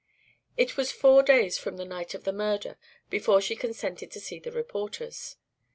It was four days from the night of the murder before she consented to see the reporters.